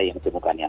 harus dibuktikan ya